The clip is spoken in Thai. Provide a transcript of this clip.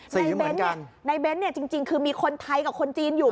สีเหมือนกันในเบนส์เนี่ยจริงคือมีคนไทยกับคนจีนอยู่